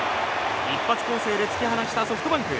一発攻勢で突き放したソフトバンク。